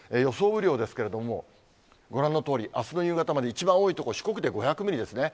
雨量ですけれども、ご覧のとおり、あすの夕方まで一番多い所、四国で５００ミリですね。